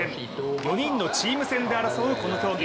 ４人のチーム戦で争うこの競技。